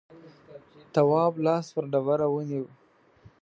تواب لاس پر ډبره ونيو.